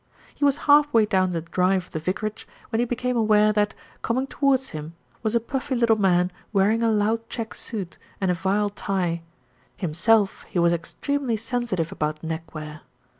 He was half way down the drive of the vicarage, when he became aware that, coming towards him, was a puffy little man wearing a loud check suit and a vile tie; himself he was extremely sensitive about neckwear.